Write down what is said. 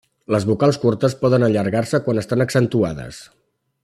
Les vocals curtes poden allargar-se quan estan accentuades.